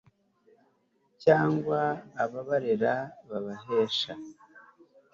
cyangwa ababarera babahesha